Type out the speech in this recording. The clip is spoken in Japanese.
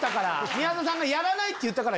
宮沢さんがやらないって言ったから。